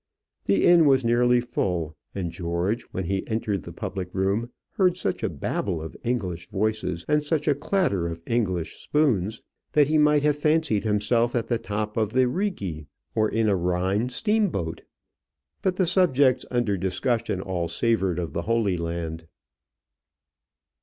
The inn was nearly full, and George, when he entered the public room, heard such a Babel of English voices, and such a clatter of English spoons that he might have fancied himself at the top of the Righi or in a Rhine steamboat. But the subjects under discussion all savoured of the Holy Land.